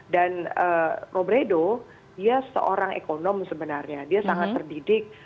dan robredo dia seorang ekonom sebenarnya dia sangat terdidik